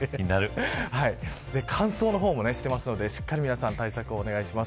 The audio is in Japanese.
乾燥の方もしてますのでしっかり皆さん対策をお願いします。